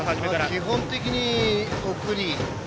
基本的に送り。